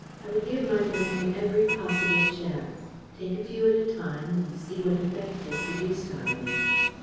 I would give my memory every possible chance. Take a few at a time, and see what effect they produced on me.